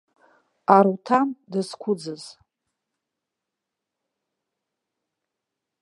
Аруҭан дызқәыӡыз.